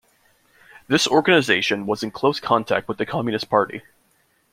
This organisation was in close contact with the Communist Party.